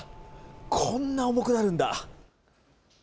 こんな重くなるんだ。